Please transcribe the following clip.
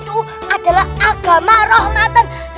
udah pak ustadz